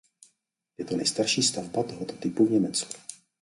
Je to nejstarší stavba tohoto typu v Německu.